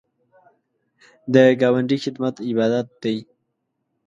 د ګاونډي خدمت عبادت دی